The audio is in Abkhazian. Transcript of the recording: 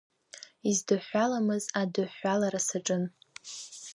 Издыҳәҳәаламыз адыҳәҳәалара саҿын.